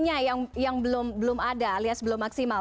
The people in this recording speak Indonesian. yang belum ada alias belum maksimal